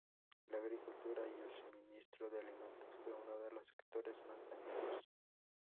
La agricultura y el suministro de alimentos fue uno de los sectores más dañados.